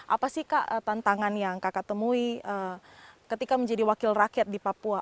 apa sih kak tantangan yang kakak temui ketika menjadi wakil rakyat di papua